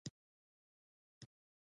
په ننګرهار کې فابریکې جوړې شوي